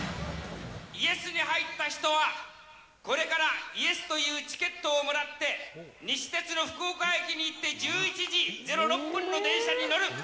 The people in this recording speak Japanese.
イエスに入った人はこれからイエスというチケットをもらって西鉄の福岡駅に行って、１１時０６分の電車に乗る。